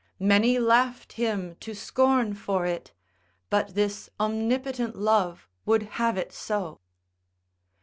Many laughed him to scorn for it, but this omnipotent love would have it so.